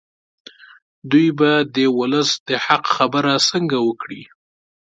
دوی به د ولس د حق خبره څنګه وکړي.